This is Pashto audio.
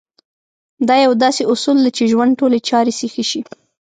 دا يو داسې اصول دی چې ژوند ټولې چارې سيخې شي.